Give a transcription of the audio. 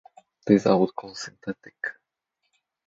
These I would call synthetic.